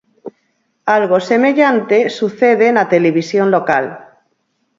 Algo semellante sucede na televisión local.